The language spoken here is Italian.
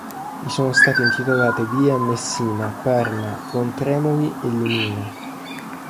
Gli sono state intitolate vie a Messina, Parma, Pontremoli e Limina.